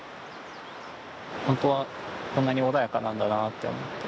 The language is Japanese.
本当はこんなに穏やかなんだなって思って。